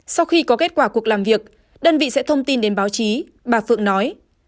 sau khi có kết quả cuộc làm việc đơn vị sẽ thông tin đến báo chí bà phượng nói